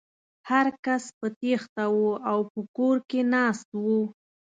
هر کس په تېښته و او په کور کې ناست و.